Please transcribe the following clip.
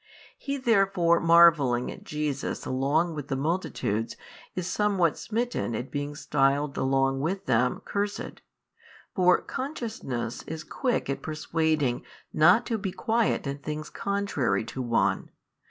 He therefore marvelling at Jesus along with the multitudes, is somewhat smitten at being styled along with them cursed. For consciousness 12 is quick at persuading not to be quiet in things contrary to one.